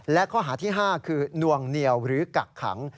และข้อหาที่๕คือนวงเหนียวหรือกักขัง